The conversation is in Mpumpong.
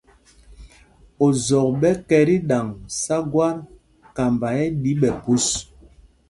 Ozɔk ɓɛ kɛ tí ɗaŋ sá gwát, kamba ɛ́ ɗí ɓɛ̌ phūs.